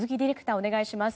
お願いします。